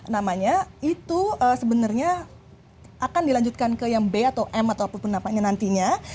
namanya itu sebenarnya akan dilanjutkan ke yang b atau m atau apapun apanya nantinya